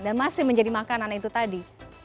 dan masih menjadi makanan itu tadi